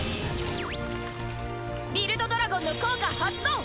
ビルド・ドラゴンの効果発動！